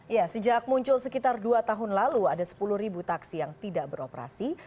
ya sejak muncul sekitar dua tahun lalu ada sepuluh ribu taksi yang tidak beroperasi